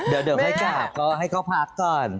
เดี๋ยวค่อยกลับก็ให้เขาพักก่อน